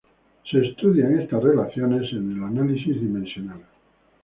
Estas relaciones son estudiadas en el análisis dimensional.